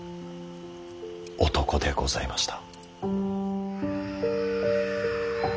男でございました。